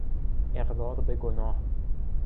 اقرار به گناه